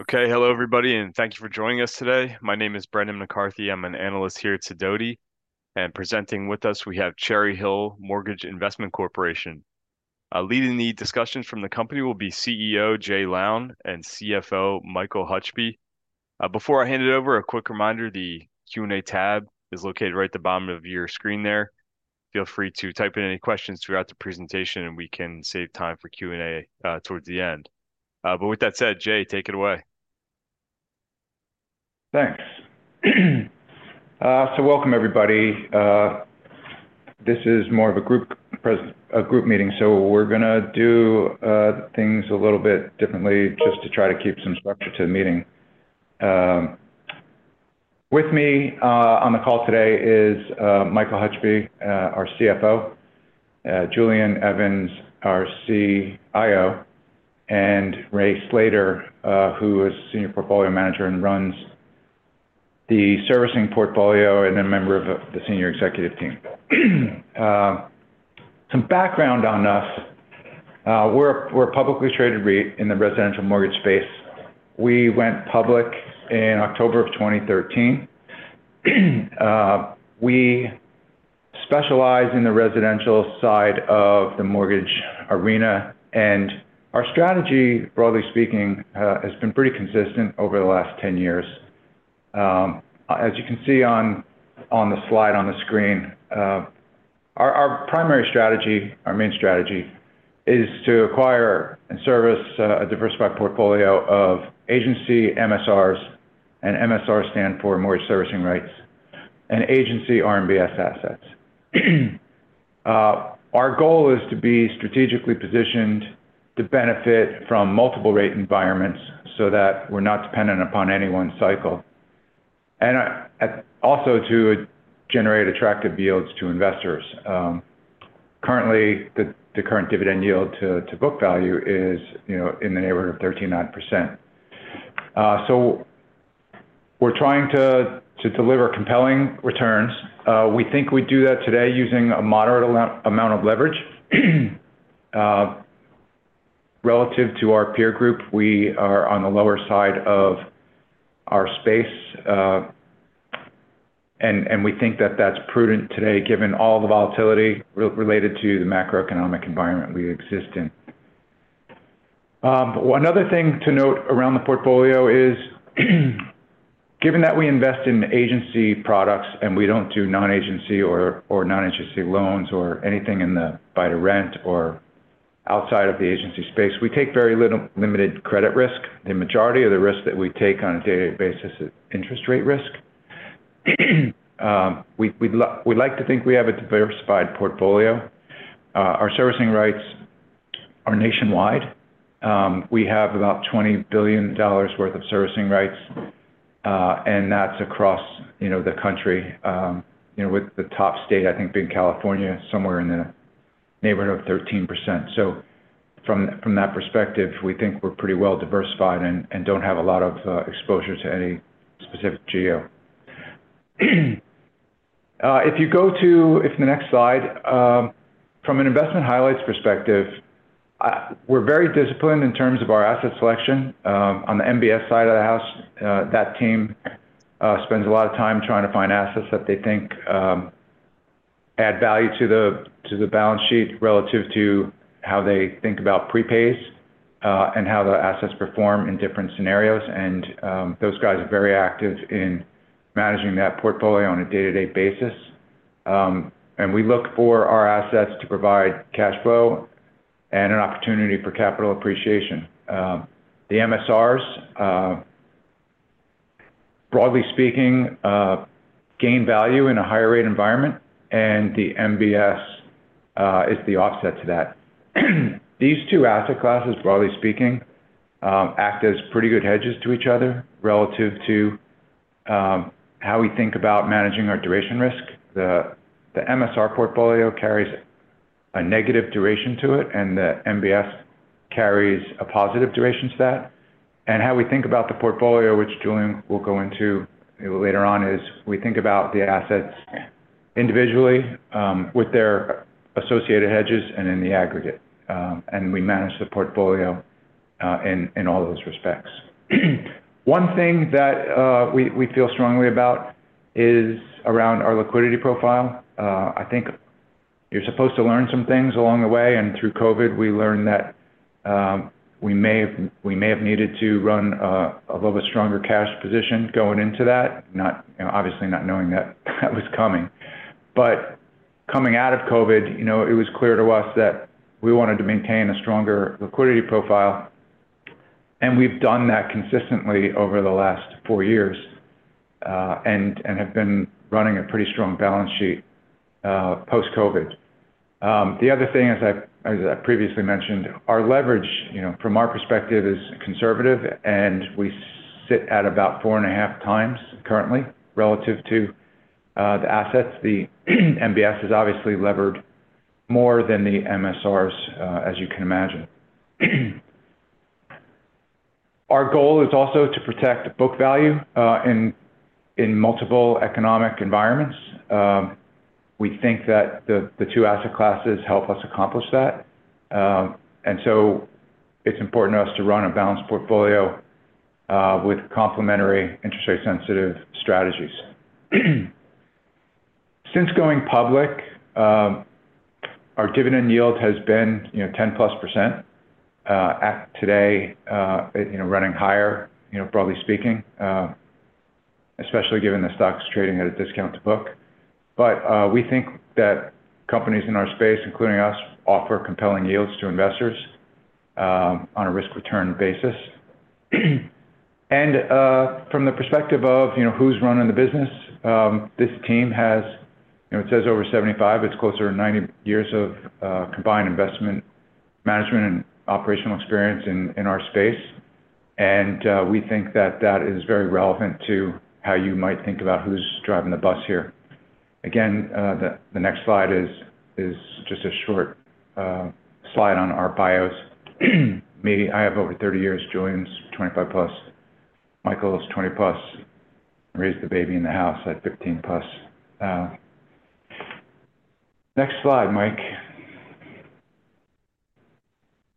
Okay, hello everybody, and thank you for joining us today. My name is Brendan McCarthy, I'm an analyst here at Sidoti, and presenting with us we have Cherry Hill Mortgage Investment Corporation. Leading the discussions from the company will be CEO Jay Lown and CFO Michael Hutchby. Before I hand it over, a quick reminder: the Q&A tab is located right at the bottom of your screen there. Feel free to type in any questions throughout the presentation and we can save time for Q&A towards the end. With that said, Jay, take it away. Thanks. So welcome everybody. This is more of a group meeting, so we're going to do things a little bit differently just to try to keep some structure to the meeting. With me on the call today is Michael Hutchby, our CFO, Julian Evans, our CIO, and Ray Slater, who is Senior Portfolio Manager and runs the servicing portfolio and a member of the Senior Executive Team. Some background on us: we're a publicly traded REIT in the residential mortgage space. We went public in October of 2013. We specialize in the residential side of the mortgage arena, and our strategy, broadly speaking, has been pretty consistent over the last 10 years. As you can see on the slide on the screen, our primary strategy, our main strategy, is to acquire and service a diversified portfolio of agency MSRs, and MSRs stand for Mortgage Servicing Rights, and agency RMBS assets. Our goal is to be strategically positioned to benefit from multiple-rate environments so that we're not dependent upon any one cycle, and also to generate attractive yields to investors. Currently, the current dividend yield to book value is in the neighborhood of 13.9%. So we're trying to deliver compelling returns. We think we do that today using a moderate amount of leverage. Relative to our peer group, we are on the lower side of our space, and we think that that's prudent today given all the volatility related to the macroeconomic environment we exist in. Another thing to note around the portfolio is, given that we invest in agency products and we don't do non-agency or non-agency loans or anything in the buy-to-rent or outside of the agency space, we take very limited credit risk. The majority of the risk that we take on a daily basis is interest rate risk. We'd like to think we have a diversified portfolio. Our servicing rights are nationwide. We have about $20 billion worth of servicing rights, and that's across the country, with the top state, I think, being California, somewhere in the neighborhood of 13%. So from that perspective, we think we're pretty well diversified and don't have a lot of exposure to any specific geo. If you go to the next slide, from an investment highlights perspective, we're very disciplined in terms of our asset selection. On the MBS side of the house, that team spends a lot of time trying to find assets that they think add value to the balance sheet relative to how they think about prepays and how the assets perform in different scenarios. And those guys are very active in managing that portfolio on a day-to-day basis. And we look for our assets to provide cash flow and an opportunity for capital appreciation. The MSRs, broadly speaking, gain value in a higher-rate environment, and the MBS is the offset to that. These two asset classes, broadly speaking, act as pretty good hedges to each other relative to how we think about managing our duration risk. The MSR portfolio carries a negative duration to it, and the MBS carries a positive duration to that. And how we think about the portfolio, which Julian will go into later on, is we think about the assets individually with their associated hedges and in the aggregate, and we manage the portfolio in all those respects. One thing that we feel strongly about is around our liquidity profile. I think you're supposed to learn some things along the way, and through COVID, we learned that we may have needed to run a little bit stronger cash position going into that, obviously not knowing that was coming. But coming out of COVID, it was clear to us that we wanted to maintain a stronger liquidity profile, and we've done that consistently over the last four years and have been running a pretty strong balance sheet post-COVID. The other thing, as I previously mentioned, our leverage, from our perspective, is conservative, and we sit at about 4.5 times currently relative to the assets. The MBS is obviously levered more than the MSRs, as you can imagine. Our goal is also to protect book value in multiple economic environments. We think that the two asset classes help us accomplish that, and so it's important to us to run a balanced portfolio with complementary interest rate-sensitive strategies. Since going public, our dividend yield has been 10% plus today, running higher, broadly speaking, especially given the stock's trading at a discount to book. But we think that companies in our space, including us, offer compelling yields to investors on a risk-return basis. And from the perspective of who's running the business, this team has it says over 75. It's closer to 90 years of combined investment management and operational experience in our space, and we think that that is very relevant to how you might think about who's driving the bus here. Again, the next slide is just a short slide on our bios. I have over 30 years. Julian's 25+. Michael's 20+. Ray's the baby in the house at 15+. Next slide, Mike.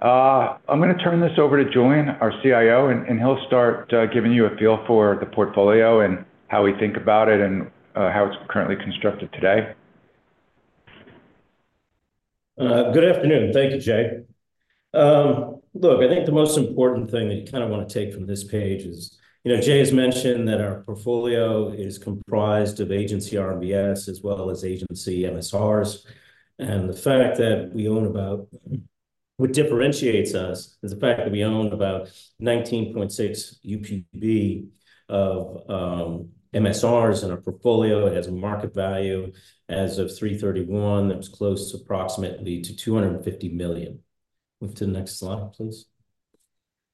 I'm going to turn this over to Julian, our CIO, and he'll start giving you a feel for the portfolio and how we think about it and how it's currently constructed today. Good afternoon. Thank you, Jay. Look, I think the most important thing that you kind of want to take from this page is Jay has mentioned that our portfolio is comprised of agency RMBS as well as agency MSRs. What differentiates us is the fact that we own about $19.6 billion UPB of MSRs in our portfolio. It has a market value as of 3/31 that's close approximately to $250 million. Move to the next slide, please.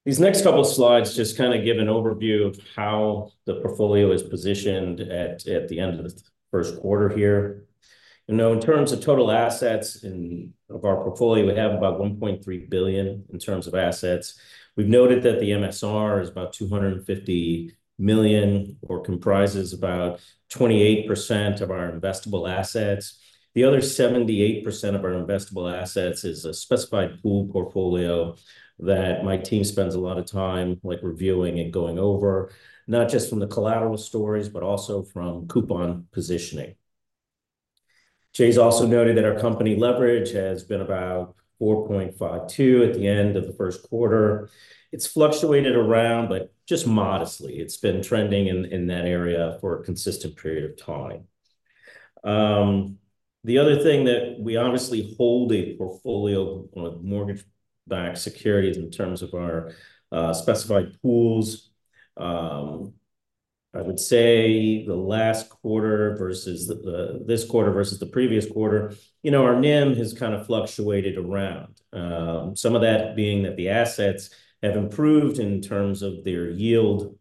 These next couple of slides just kind of give an overview of how the portfolio is positioned at the end of the first quarter here. In terms of total assets of our portfolio, we have about $1.3 billion in terms of assets. We've noted that the MSR is about $250 million or comprises about 28% of our investable assets. The other 78% of our investable assets is a specified pools portfolio that my team spends a lot of time reviewing and going over, not just from the collateral stories but also from coupon positioning. Jay's also noted that our company leverage has been about 4.52 at the end of the first quarter. It's fluctuated around, but just modestly. It's been trending in that area for a consistent period of time. The other thing that we obviously hold a portfolio of mortgage-backed securities in terms of our specified pools, I would say the last quarter versus this quarter versus the previous quarter, our NIM has kind of fluctuated around, some of that being that the assets have improved in terms of their yield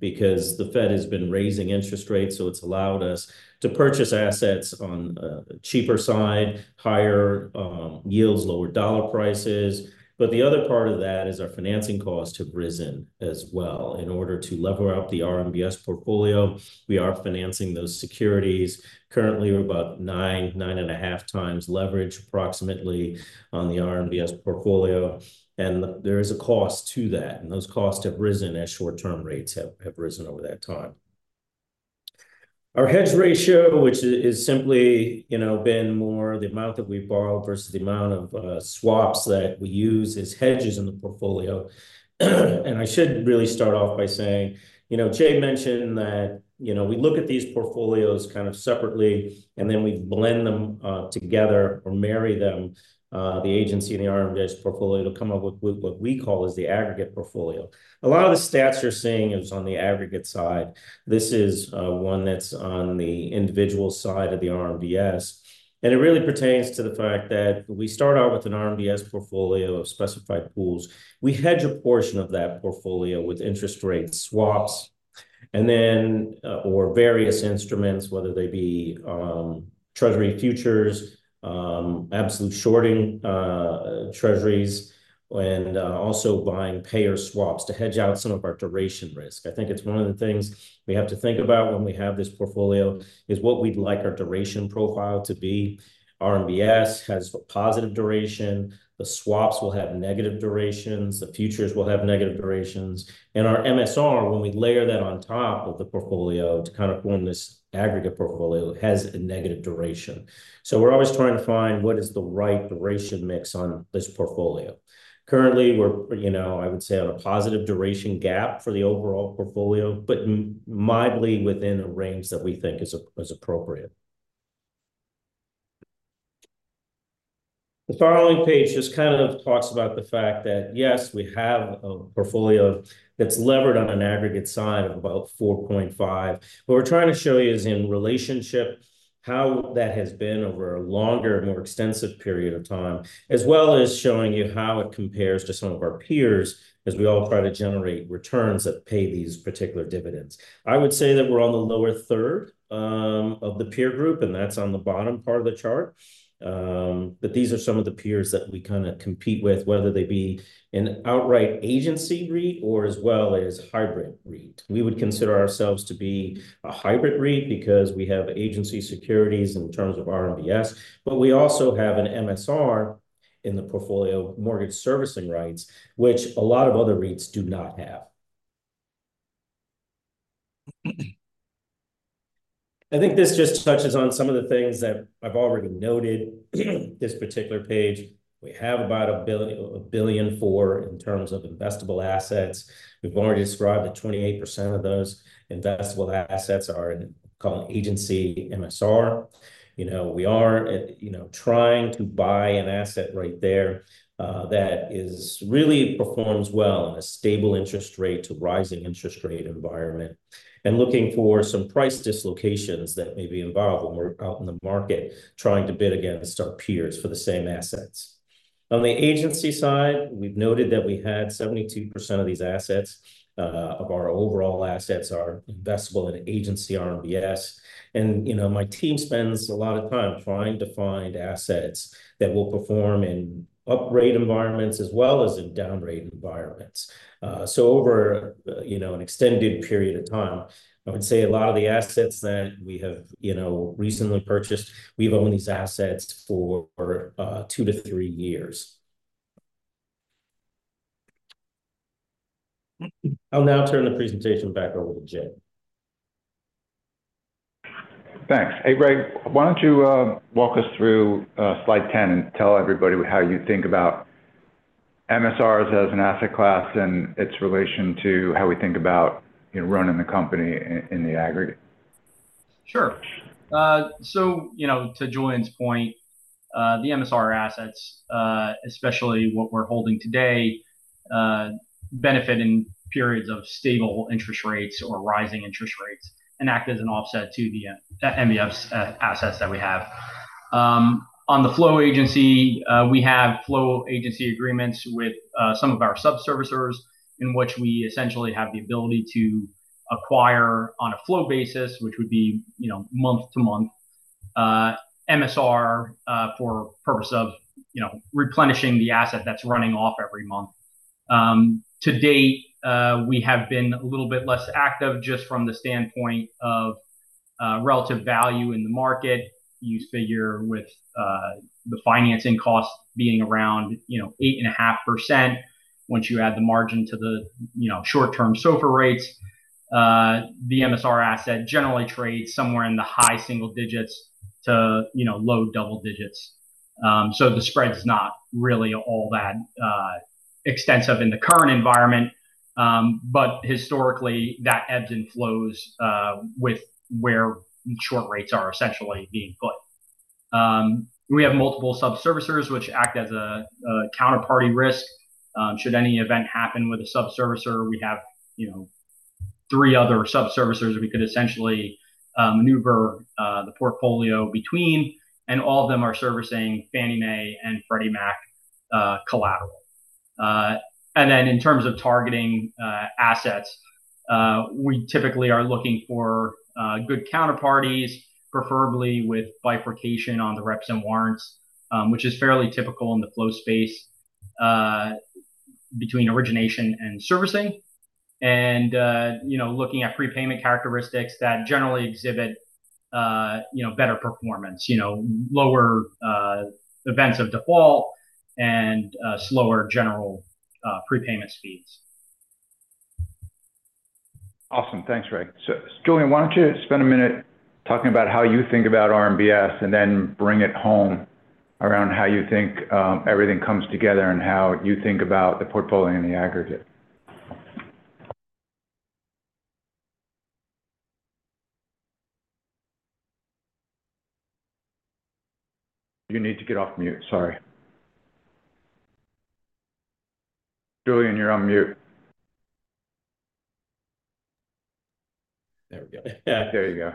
because the Fed has been raising interest rates, so it's allowed us to purchase assets on a cheaper side, higher yields, lower dollar prices. But the other part of that is our financing costs have risen as well. In order to lever up the RMBS portfolio, we are financing those securities. Currently, we're about 9-9.5 times leverage approximately on the RMBS portfolio, and there is a cost to that, and those costs have risen as short-term rates have risen over that time. Our hedge ratio, which has simply been more the amount that we borrowed versus the amount of swaps that we use as hedges in the portfolio. And I should really start off by saying, Jay mentioned that we look at these portfolios kind of separately, and then we blend them together or marry them, the agency and the RMBS portfolio, to come up with what we call the aggregate portfolio. A lot of the stats you're seeing is on the aggregate side. This is one that's on the individual side of the RMBS, and it really pertains to the fact that we start out with an RMBS portfolio of specified pools. We hedge a portion of that portfolio with interest rate swaps or various instruments, whether they be Treasury futures, absolute shorting Treasuries, and also buying payer swaps to hedge out some of our duration risk. I think it's one of the things we have to think about when we have this portfolio is what we'd like our duration profile to be. RMBS has a positive duration. The swaps will have negative durations. The futures will have negative durations. And our MSR, when we layer that on top of the portfolio to kind of form this aggregate portfolio, has a negative duration. So we're always trying to find what is the right duration mix on this portfolio. Currently, we're, I would say, on a positive duration gap for the overall portfolio, but mildly within the range that we think is appropriate. The following page just kind of talks about the fact that, yes, we have a portfolio that's levered on an aggregate side of about 4.5. What we're trying to show you is in relationship how that has been over a longer, more extensive period of time, as well as showing you how it compares to some of our peers as we all try to generate returns that pay these particular dividends. I would say that we're on the lower third of the peer group, and that's on the bottom part of the chart. But these are some of the peers that we kind of compete with, whether they be an outright Agency REIT or as well as hybrid REIT. We would consider ourselves to be a hybrid REIT because we have Agency securities in terms of RMBS, but we also have an MSR in the portfolio, mortgage servicing rights, which a lot of other REITs do not have. I think this just touches on some of the things that I've already noted. This particular page, we have about $1 billion in terms of investable assets. We've already described that 28% of those investable assets are called Agency MSR. We are trying to buy an asset right there that really performs well in a stable interest rate to rising interest rate environment and looking for some price dislocations that may be involved when we're out in the market trying to bid against our peers for the same assets. On the Agency side, we've noted that we had 72% of these assets. Of our overall assets are investable in Agency RMBS. My team spends a lot of time trying to find assets that will perform in up-rate environments as well as in down-rate environments. Over an extended period of time, I would say a lot of the assets that we have recently purchased, we've owned these assets for 2-3 years. I'll now turn the presentation back over to Jay. Thanks. Hey, Ray. Why don't you walk us through slide 10 and tell everybody how you think about MSRs as an asset class and its relation to how we think about running the company in the aggregate? Sure. So to Julian's point, the MSR assets, especially what we're holding today, benefit in periods of stable interest rates or rising interest rates and act as an offset to the MBS assets that we have. On the flow agency, we have flow agency agreements with some of our subservicers in which we essentially have the ability to acquire on a flow basis, which would be month to month, MSR for purpose of replenishing the asset that's running off every month. To date, we have been a little bit less active just from the standpoint of relative value in the market. You figure with the financing cost being around 8.5% once you add the margin to the short-term SOFR rates, the MSR asset generally trades somewhere in the high single digits to low double digits. So the spread's not really all that extensive in the current environment, but historically, that ebbs and flows with where short rates are essentially being put. We have multiple subservicers which act as a counterparty risk. Should any event happen with a subservicer, we have three other subservicers we could essentially maneuver the portfolio between, and all of them are servicing Fannie Mae and Freddie Mac collateral. And then in terms of targeting assets, we typically are looking for good counterparties, preferably with bifurcation on the reps and warrants, which is fairly typical in the flow space between origination and servicing, and looking at prepayment characteristics that generally exhibit better performance, lower events of default, and slower general prepayment speeds. Awesome. Thanks, Ray. So Julian, why don't you spend a minute talking about how you think about RMBS and then bring it home around how you think everything comes together and how you think about the portfolio in the aggregate? You need to get off mute. Sorry. Julian, you're on mute. There we go. There you go.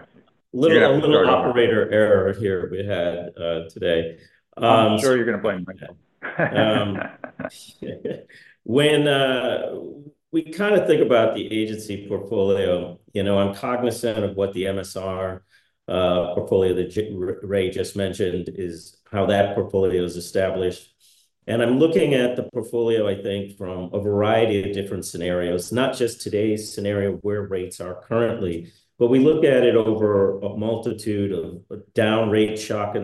Little operator error here we had today. I'm sure you're going to blame myself. When we kind of think about the agency portfolio, I'm cognizant of what the MSR portfolio that Ray just mentioned is, how that portfolio is established. I'm looking at the portfolio, I think, from a variety of different scenarios, not just today's scenario where rates are currently, but we look at it over a multitude of down-rate shock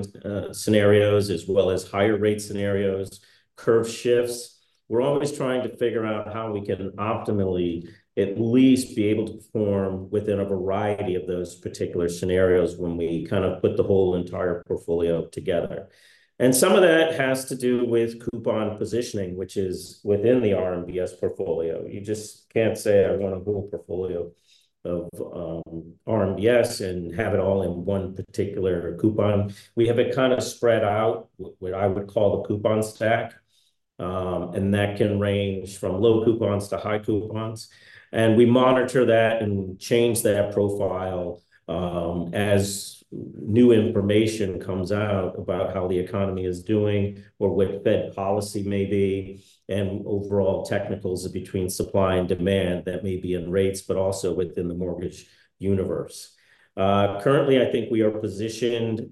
scenarios as well as higher-rate scenarios, curve shifts. We're always trying to figure out how we can optimally at least be able to perform within a variety of those particular scenarios when we kind of put the whole entire portfolio together. Some of that has to do with coupon positioning, which is within the RMBS portfolio. You just can't say, "I want a whole portfolio of RMBS and have it all in one particular coupon." We have it kind of spread out, what I would call the coupon stack, and that can range from low coupons to high coupons. We monitor that and change that profile as new information comes out about how the economy is doing or what Fed policy may be and overall technicals between supply and demand that may be in rates but also within the mortgage universe. Currently, I think we are positioned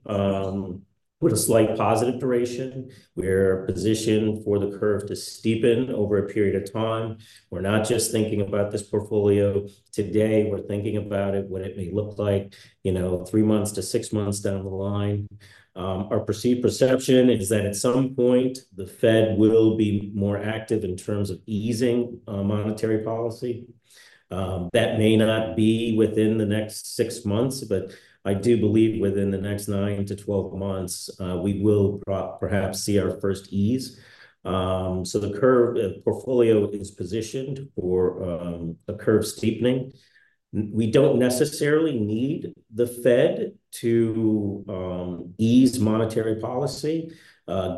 with a slight positive duration. We're positioned for the curve to steepen over a period of time. We're not just thinking about this portfolio today. We're thinking about it, what it may look like 3 months to 6 months down the line. Our perceived perception is that at some point, the Fed will be more active in terms of easing monetary policy. That may not be within the next six months, but I do believe within the next 9-12 months, we will perhaps see our first ease. So the curve portfolio is positioned for a curve steepening. We don't necessarily need the Fed to ease monetary policy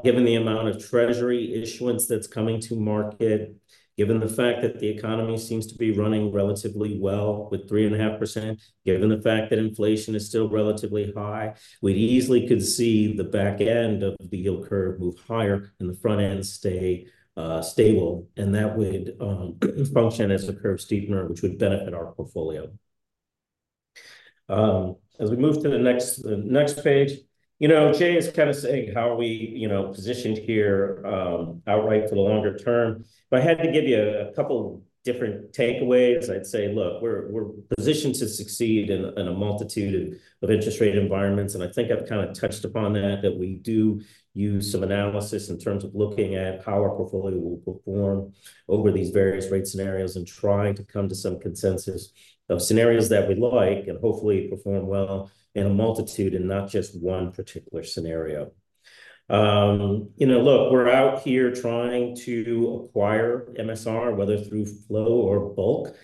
given the amount of Treasury issuance that's coming to market, given the fact that the economy seems to be running relatively well with 3.5%, given the fact that inflation is still relatively high. We easily could see the back end of the yield curve move higher and the front end stay stable, and that would function as a curve steepener, which would benefit our portfolio. As we move to the next page, Jay is kind of saying, "How are we positioned here outright for the longer term?" If I had to give you a couple of different takeaways, I'd say, "Look, we're positioned to succeed in a multitude of interest rate environments." I think I've kind of touched upon that, that we do use some analysis in terms of looking at how our portfolio will perform over these various rate scenarios and trying to come to some consensus of scenarios that we like and hopefully perform well in a multitude and not just one particular scenario. Look, we're out here trying to acquire MSR, whether through flow or bulk.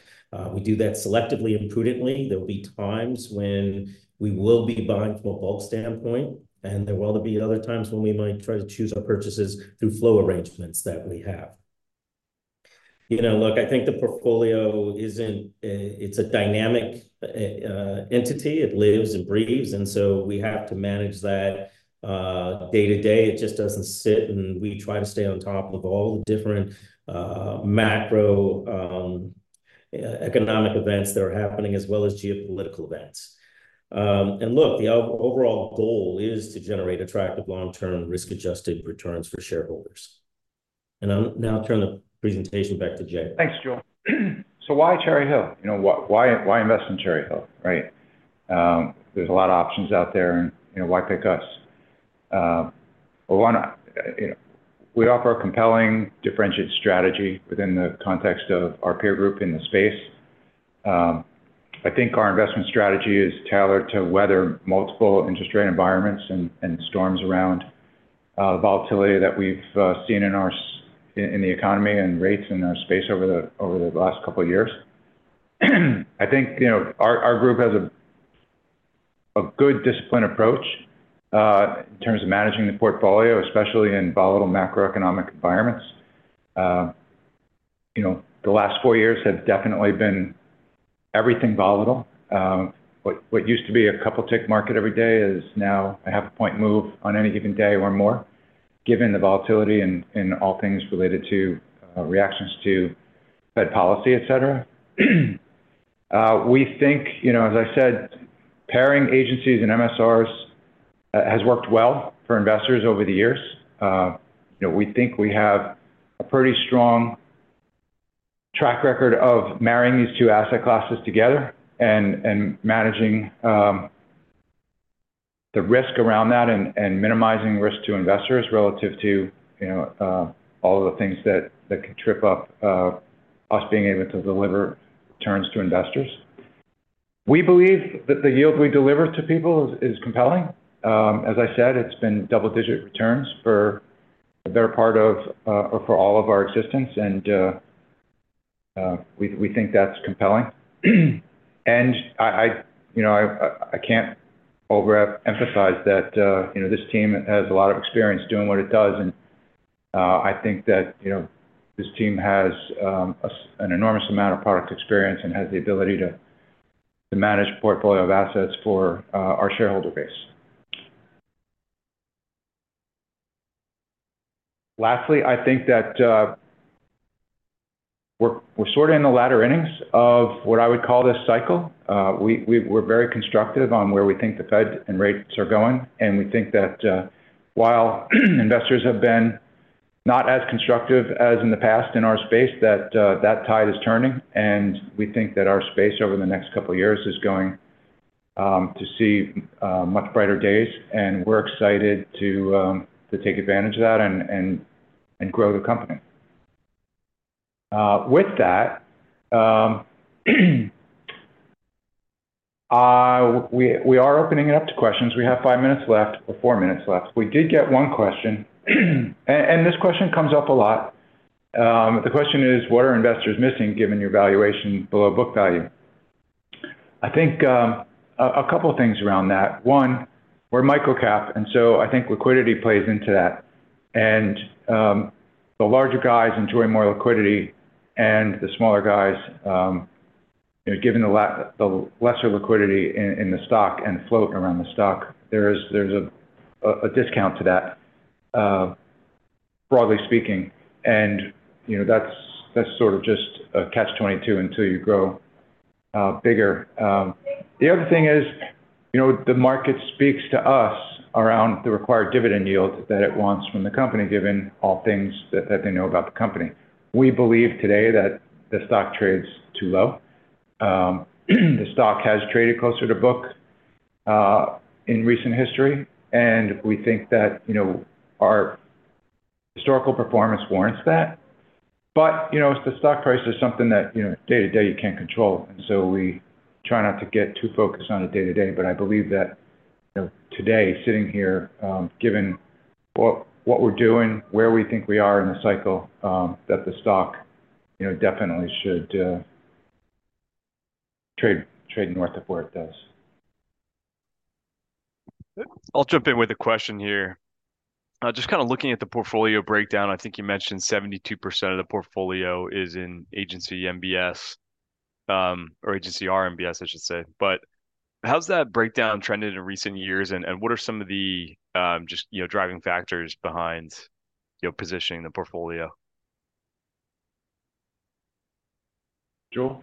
We do that selectively and prudently. There'll be times when we will be buying from a bulk standpoint, and there will be other times when we might try to choose our purchases through flow arrangements that we have. Look, I think the portfolio isn't. It's a dynamic entity. It lives and breathes, and so we have to manage that day to day. It just doesn't sit, and we try to stay on top of all the different macroeconomic events that are happening as well as geopolitical events. And look, the overall goal is to generate attractive long-term risk-adjusted returns for shareholders. And I'll now turn the presentation back to Jay. Thanks, Julian So why Cherry Hill? Why invest in Cherry Hill, right? There's a lot of options out there, and why pick us? We offer a compelling differentiated strategy within the context of our peer group in the space. I think our investment strategy is tailored to weather multiple interest rate environments and storms around the volatility that we've seen in the economy and rates in our space over the last couple of years. I think our group has a good disciplined approach in terms of managing the portfolio, especially in volatile macroeconomic environments. The last four years have definitely been everything volatile. What used to be a couple-tick market every day is now a half-point move on any given day or more given the volatility and all things related to reactions to Fed policy, etc. We think, as I said, pairing agencies and MSRs has worked well for investors over the years. We think we have a pretty strong track record of marrying these two asset classes together and managing the risk around that and minimizing risk to investors relative to all of the things that could trip up us being able to deliver returns to investors. We believe that the yield we deliver to people is compelling. As I said, it's been double-digit returns for the better part of or for all of our existence, and we think that's compelling. And I can't overemphasize that this team has a lot of experience doing what it does, and I think that this team has an enormous amount of product experience and has the ability to manage a portfolio of assets for our shareholder base. Lastly, I think that we're sort of in the latter innings of what I would call this cycle. We're very constructive on where we think the Fed and rates are going, and we think that while investors have been not as constructive as in the past in our space, that tide is turning, and we think that our space over the next couple of years is going to see much brighter days. And we're excited to take advantage of that and grow the company. With that, we are opening it up to questions. We have 5 minutes left or 4 minutes left. We did get 1 question, and this question comes up a lot. The question is, "What are investors missing given your valuation below book value?" I think a couple of things around that. One, we're microcap, and so I think liquidity plays into that. And the larger guys enjoy more liquidity, and the smaller guys, given the lesser liquidity in the stock and float around the stock, there's a discount to that, broadly speaking. And that's sort of just a catch-22 until you grow bigger. The other thing is, the market speaks to us around the required dividend yield that it wants from the company given all things that they know about the company. We believe today that the stock trades too low. The stock has traded closer to book in recent history, and we think that our historical performance warrants that. But the stock price is something that day to day, you can't control, and so we try not to get too focused on it day to day. I believe that today, sitting here, given what we're doing, where we think we are in the cycle, that the stock definitely should trade north of where it does. I'll jump in with a question here. Just kind of looking at the portfolio breakdown, I think you mentioned 72% of the portfolio is in agency MBS or agency RMBS, I should say. But how's that breakdown trended in recent years, and what are some of the just driving factors behind positioning the portfolio? Julian?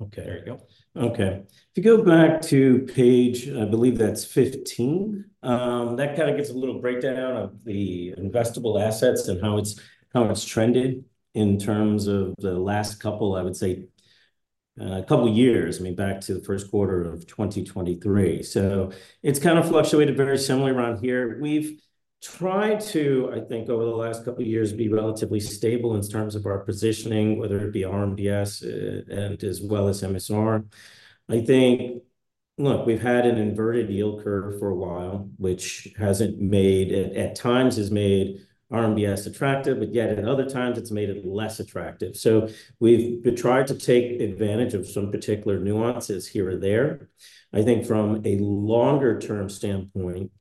Okay. There you go. Okay. If you go back to page 15, I believe that's 15, that kind of gives a little breakdown of the investable assets and how it's trended in terms of the last couple, I would say, couple of years, I mean, back to the first quarter of 2023. So it's kind of fluctuated very similarly around here. We've tried to, I think, over the last couple of years, be relatively stable in terms of our positioning, whether it be RMBS as well as MSR. I think, look, we've had an inverted yield curve for a while, which hasn't made at times has made RMBS attractive, but yet at other times, it's made it less attractive. So we've tried to take advantage of some particular nuances here or there. I think from a longer-term standpoint,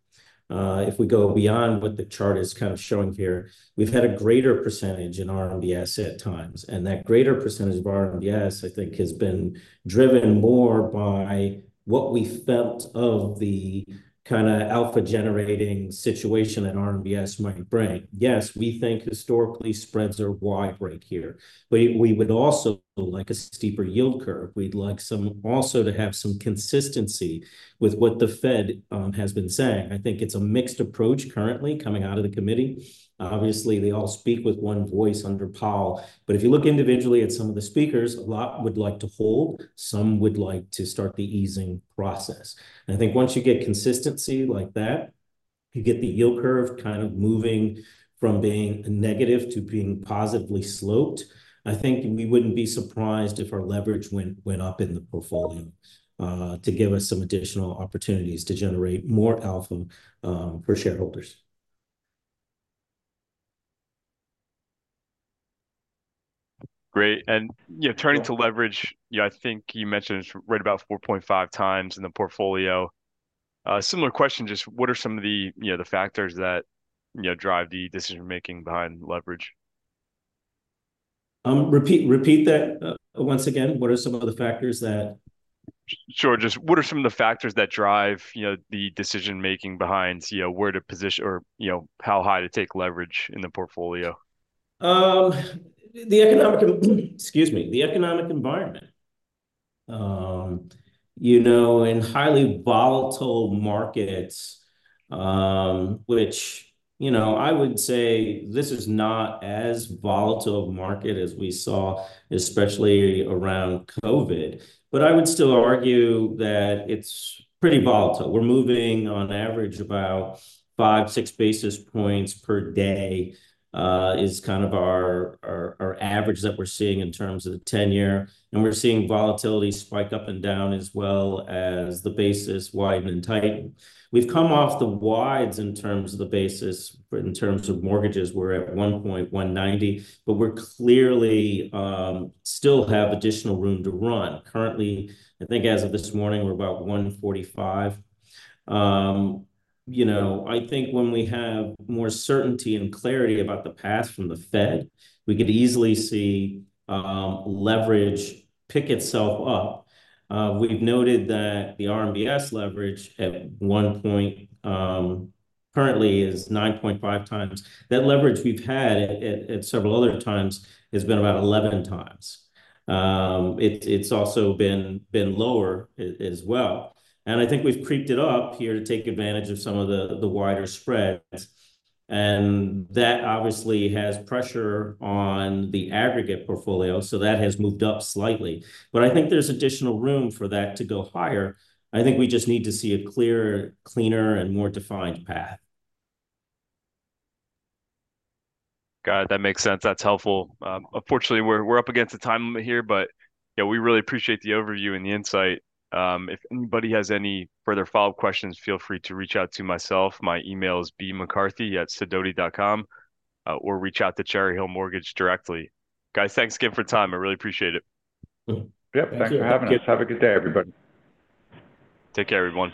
if we go beyond what the chart is kind of showing here, we've had a greater percentage in RMBS at times. And that greater percentage of RMBS, I think, has been driven more by what we felt of the kind of alpha-generating situation that RMBS might bring. Yes, we think historically, spreads are wide right here. But we would also like a steeper yield curve. We'd like also to have some consistency with what the Fed has been saying. I think it's a mixed approach currently coming out of the committee. Obviously, they all speak with one voice under Powell. But if you look individually at some of the speakers, a lot would like to hold. Some would like to start the easing process. I think once you get consistency like that, you get the yield curve kind of moving from being negative to being positively sloped. I think we wouldn't be surprised if our leverage went up in the portfolio to give us some additional opportunities to generate more alpha for shareholders. Great. And turning to leverage, I think you mentioned it's right about 4.5 times in the portfolio. Similar question, just what are some of the factors that drive the decision-making behind leverage? Repeat that once again. What are some of the factors that? Sure. Just what are some of the factors that drive the decision-making behind where to position or how high to take leverage in the portfolio? The economic, excuse me, the economic environment. In highly volatile markets, which I would say this is not as volatile of a market as we saw, especially around COVID. But I would still argue that it's pretty volatile. We're moving on average about 5-6 basis points per day is kind of our average that we're seeing in terms of the 10-year. And we're seeing volatility spike up and down as well as the basis widen and tighten. We've come off the wides in terms of the basis in terms of mortgages. We're at 1.190, but we clearly still have additional room to run. Currently, I think as of this morning, we're about 145. I think when we have more certainty and clarity about the path from the Fed, we could easily see leverage pick itself up. We've noted that the RMBS leverage at one point currently is 9.5 times. That leverage we've had at several other times has been about 11x. It's also been lower as well. I think we've crept it up here to take advantage of some of the wider spreads. That obviously has pressure on the aggregate portfolio, so that has moved up slightly. But I think there's additional room for that to go higher. I think we just need to see a clearer, cleaner, and more defined path. Got it. That makes sense. That's helpful. Unfortunately, we're up against a time limit here, but we really appreciate the overview and the insight. If anybody has any further follow-up questions, feel free to reach out to myself. My email is bmccarthy@sidoti.com or reach out to Cherry Hill Mortgage directly. Guys, thanks again for time. I really appreciate it. Yep. Thanks for having us. Thank you. Guys, have a good day, everybody. Take care, everyone.